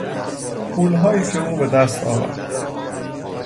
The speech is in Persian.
پولهایی که او به دست آورد.